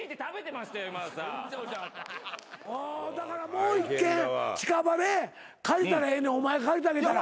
もう１軒近場で借りたらええお前が借りてあげたら。